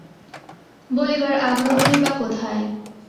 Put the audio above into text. বলিবার আগ্রহই বা কোথায়!